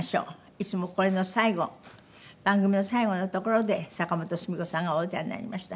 いつもこれの最後番組の最後のところで坂本スミ子さんがお歌いになりました。